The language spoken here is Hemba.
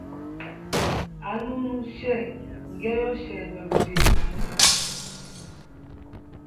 Anunu che ,nge yoshenda nvii?